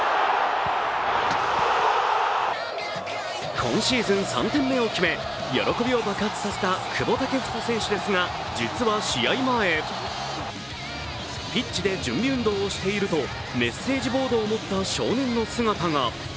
今シーズン３点目を決め、喜びを爆発させた久保建英選手ですが、実は試合前、ピッチで準備運動をしていると、メッセージボードを持った少年の姿が。